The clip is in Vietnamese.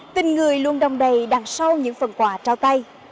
tình người luôn đồng đầy đằng sau những phần quà trao tay